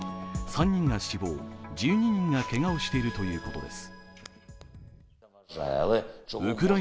３人が死亡、１２人がけがをしているということです。